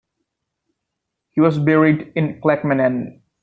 He was buried in Clackmannan.